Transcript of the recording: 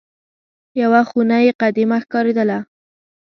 یوه خونه یې قدیمه ښکارېدله.